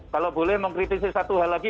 kalau boleh mengkritisi satu hal lagi